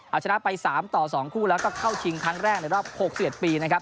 เอาชนะไป๓ต่อ๒คู่แล้วก็เข้าชิงครั้งแรกในรอบ๖๑ปีนะครับ